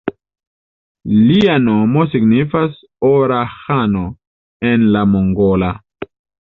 Lia nomo signifas "Ora ĥano" en la mongola.